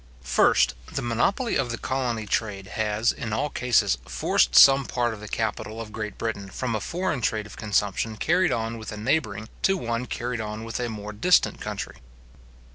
First, The monopoly of the colony trade has, in all cases, forced some part of the capital of Great Britain from a foreign trade of consumption carried on with a neighbouring, to one carried on with a more distant country.